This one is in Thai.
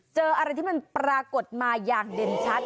เจออะไรที่มันปรากฏมาอย่างเด่นชัด